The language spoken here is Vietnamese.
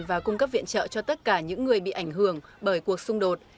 và cung cấp viện trợ cho tất cả những người bị ảnh hưởng bởi cuộc xung đột